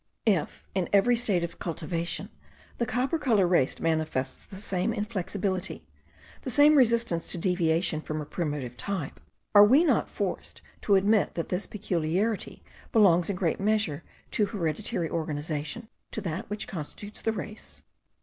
If, in every state of cultivation, the copper coloured race manifests the same inflexibility, the same resistance to deviation from a primitive type, are we not forced to admit that this peculiarity belongs in great measure to hereditary organization, to that which constitutes the race?